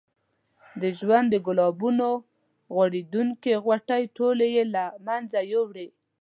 د ژوند د ګلابونو غوړېدونکې غوټۍ ټولې یې له منځه یوړې.